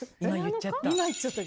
今言っちゃったけど。